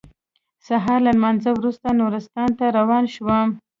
سهار له لمانځه وروسته نورستان ته روان شوم.